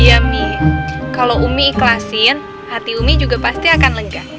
iya mi kalau umi ikhlasin hati umi juga pasti akan lenggang